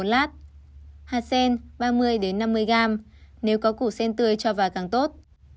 hạt sen ba mươi năm mươi g nếu có củ sen tươi cho vào càng tốt